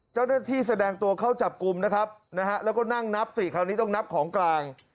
เจ้าเนื้อที่แสดงตัวเข้าจับกลุ่มนะครับนะฮะแล้วก็นั่งนับ๔ครั้งนี้ต้องนับของกลาง